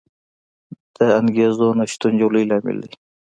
د انګېزو نه شتون یو لوی لامل دی.